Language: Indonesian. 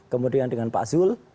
kemudian dengan pak zul